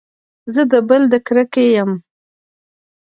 زه د بل د کرکې يم.